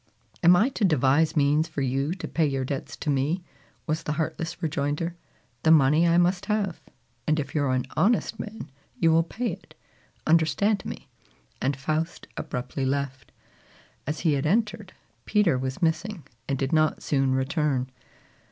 "Am I to devise means for you to pay your debts to me?" was the heartless rejoinder. "The money I must have; and if you are an honest man, you will pay it: understand me!" and Faust abruptly left. As he had entered, Peter was missing, and did not soon return.